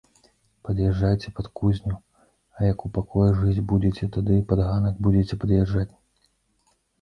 Пад'язджайце пад кузню, а як у пакоях жыць будзеце, тады пад ганак будзеце пад'язджаць.